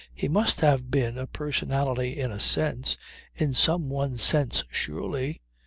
He must have been a personality in a sense in some one sense surely.